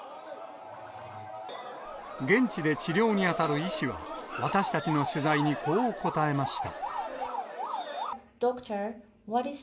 現地で治療に当たる医師は、私たちの取材に、こう答えました。